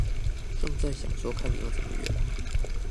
正在想說看你要怎麼圓